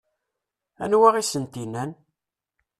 Anwa i asent-innan?